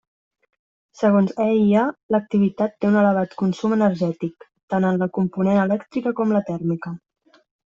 Segons EIA, l'activitat té un elevat consum energètic, tant en la component elèctrica com la tèrmica.